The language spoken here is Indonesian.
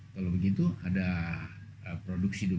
kalau begitu ada produksi dua belas juta